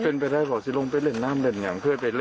เป็นไปได้บอกสิลงไปเล่นน้ำเล่นอย่างเพื่อนไปเล่น